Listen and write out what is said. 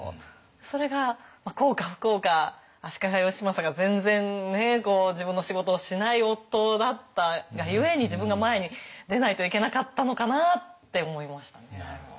それが幸か不幸か足利義政が全然自分の仕事をしない夫だったがゆえに自分が前に出ないといけなかったのかなって思いましたね。